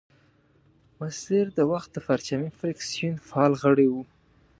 مسیر د وخت د پرچمي فرکسیون فعال غړی وو.